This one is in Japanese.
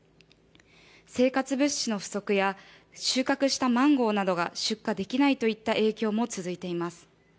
生活物資の不足や、収穫したマンゴーなどが出荷できないといった影響も続いています。